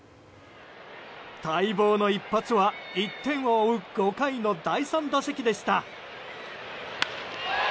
待望の一発は１点を追う５回の第３打席でした。